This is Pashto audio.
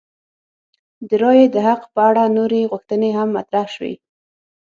د رایې د حق په اړه نورې غوښتنې هم مطرح شوې.